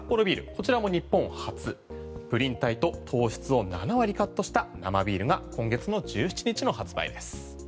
こちらも日本初プリン体と糖質を７割カットした生ビールが今月の１７日の発売です。